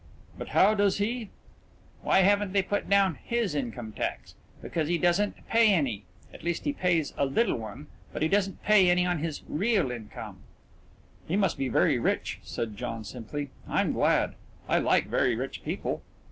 "But how does he " "Why haven't they put down his income tax? Because he doesn't pay any. At least he pays a little one but he doesn't pay any on his real income." "He must be very rich," said John simply, "I'm glad. I like very rich people.